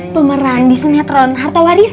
pemeran di sinetron harta warisan mah